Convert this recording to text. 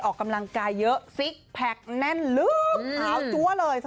ออกกำลังกายเยอะสิบแผลกแน่นลึกอ๋อจัวเลย